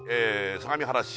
相模原市